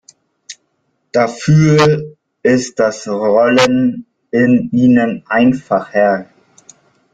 Dafür ist das Rollen in ihnen einfacher.